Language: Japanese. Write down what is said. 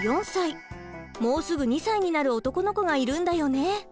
もうすぐ２歳になる男の子がいるんだよね。